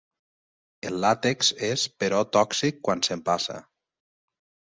El làtex és però tòxic quan s'empassa.